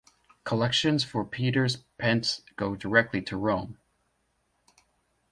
Collections for Peter's Pence go directly to Rome.